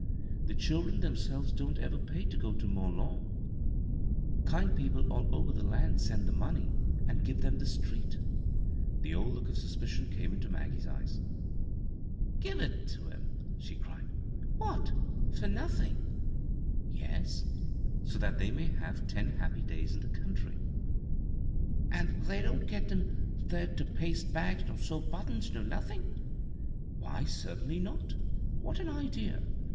The children themselves don't ever pay to go to Mont Lawn. Kind people all over the b, Google CROSS CURRENTS land send the money and give them this treat" The old iook of suspicion came into Mag gie's eyes. " Give it to 'em t " she cried. " Wliat — for nothin' ?"" Yes ; so that they may have ten iiappy days in the ountry." "An' the> don't get 'em there ter paste bags nor sew buttons, nor nothin' ?" "Why, certainly not! What an idea!